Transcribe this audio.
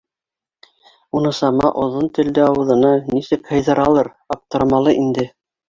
Унысама оҙон телде ауыҙына нисек һыйҙыралыр, аптырамалы инде.